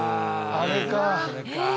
あれか。